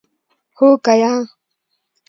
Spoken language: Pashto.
هو که یا ؟